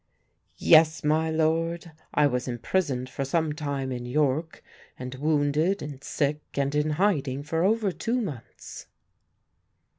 "Yes, my Lord, I was imprisoned for some time in York and wounded and sick and in hiding for over two months."